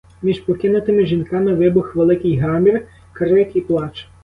Між покинутими жінками вибух великий гамір, крик і плач.